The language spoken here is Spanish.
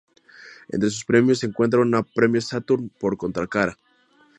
Entre sus premios se encuentra un premio Saturn por "Contracara".